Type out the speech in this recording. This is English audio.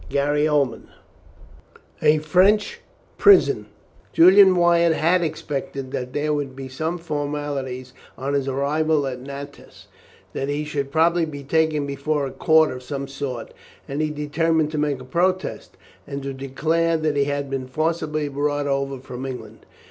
CHAPTER VII A FRENCH PRISON Julian Wyatt had expected that there would be some formalities on his arrival at Nantes that he should probably be taken before a court of some sort, and he determined to make a protest, and to declare that he had been forcibly brought over from England.